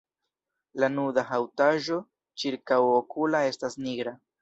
La nuda haŭtaĵo ĉirkaŭokula estas nigra.